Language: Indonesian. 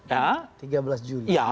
ya setelah pemilu